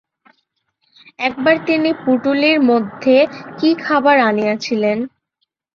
একবার তিনি পুঁটুলির মধ্যে কি খাবার আনিয়াছিলেন।